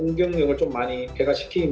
saya juga menarik dari thailand